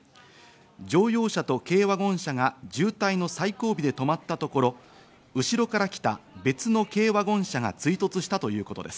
乗用車と軽ワゴン車が渋滞の最後尾で止まったところ、後ろから来た別の形ワゴン車が追突したということです。